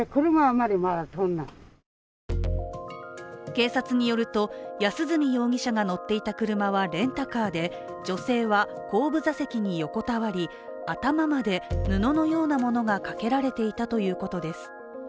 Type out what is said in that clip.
警察によると、安栖容疑者が乗っていた車はレンタカーで女性は後部座席に横たわり、頭まで布のようなものがかけられていたということです。